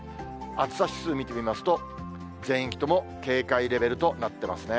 暑さ指数見てみますと、全域とも警戒レベルとなっていますね。